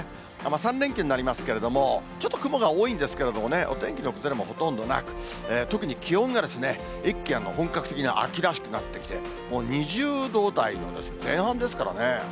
３連休になりますけれども、ちょっと雲が多いんですけれどもね、お天気の崩れもほとんどなく、特に気温が、一気に本格的な秋らしくなってきて、もう２０度台の前半ですからね。